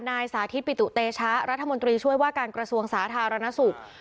สาธิตปิตุเตชะรัฐมนตรีช่วยว่าการกระทรวงสาธารณสุข